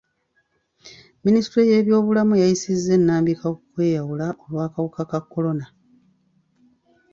Minisitule y'ebyobulamu yayisizza ennambika ku kweyawula olw'akawuka ka kolona.